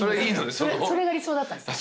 それが理想だったんです。